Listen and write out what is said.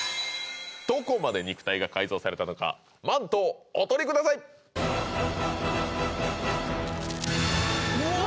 どこまで肉体が改造されたのかマントをお取りくださいうわ！